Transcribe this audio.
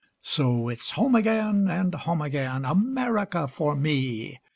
So it's home again, and home again, America for me!